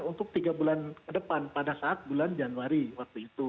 untuk tiga bulan ke depan pada saat bulan januari waktu itu